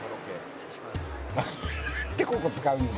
失礼します。